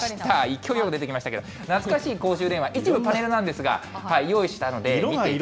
勢いよく出てきましたけれども、懐かしい公衆電話、一部パネルなんですが、用意したので。